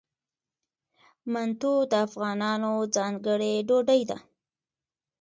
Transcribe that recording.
منتو د افغانانو ځانګړې ډوډۍ ده.